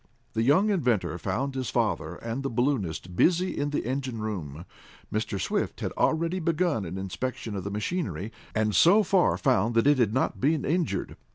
The young inventor found his father and the balloonist busy in the engine room. Mr. Swift had already begun an inspection of the machinery, and so far found that it had not been injured.